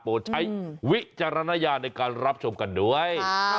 ใช้วิจารณญาณในการรับชมกันด้วย